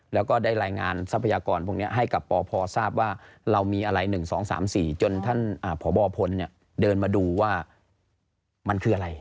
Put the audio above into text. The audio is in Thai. แล้วก็ได้รายงานทรัพยากรพวกนี้ให้กับปพทราบว่าเรามีอะไร๑๒๓๔จนท่านพบพลเดินมาดูว่ามันคืออะไร